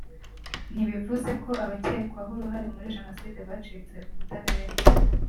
ntibivuze ko abakekwaho uruhare muri Jenoside bacitse ubutabera